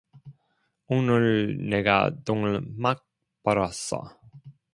오늘 내가 돈을 막 벌었어.